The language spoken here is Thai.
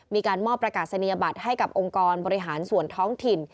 มีการมอบประกาศนียบัตรให้กับองค์กรบริหารส่วนท้องถิ่น